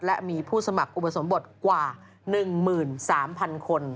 และมีผู้สมัครอุปสมบทกว่า๑๓๐๐๐คน